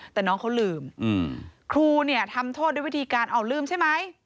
แต่น้องเขาลืมครูเนี่ยทำโทษด้วยวิธีการเอาลืมใช่ไหม